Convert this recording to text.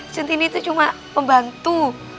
cintin ini tuh cuma pembantu